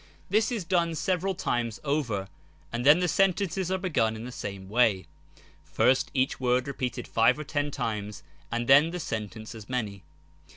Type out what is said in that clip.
This is done several times over, and then the sentences are begun in the same way ; first, each : word repeated five or ten times and then the sentence as many.